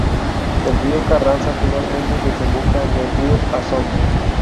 El río Carranza finalmente desemboca en el río Asón.